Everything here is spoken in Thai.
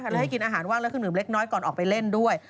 แล้วให้กินอาหารว่างแล้วคิดหนึ่งเล็กน้อยก่อนออกไปเล่นด้วย